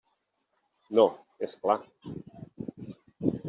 No, és clar.